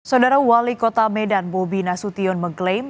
saudara wali kota medan bobi nasution mengklaim